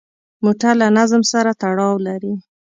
موټر له نظم سره تړاو لري.